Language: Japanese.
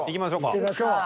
いってみましょう。